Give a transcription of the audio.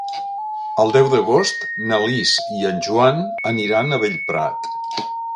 El deu d'agost na Lis i en Joan aniran a Bellprat.